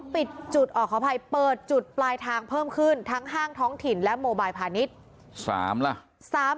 ปิดจุดขออภัยเปิดจุดปลายทางเพิ่มขึ้นทั้งห้างท้องถิ่นและโมบายพาณิชย์๓ล่ะ